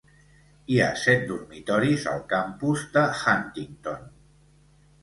Hi ha set dormitoris al campus de Huntington.